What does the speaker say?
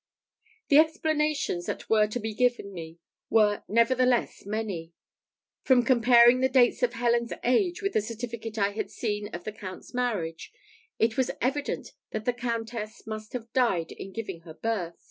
The explanations that were to be given me were nevertheless many. From comparing the dates of Helen's age with the certificate I had seen of the Count's marriage, it was evident that the Countess must have died in giving her birth.